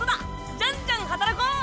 じゃんじゃん働こう。